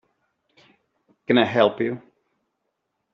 Can I help you?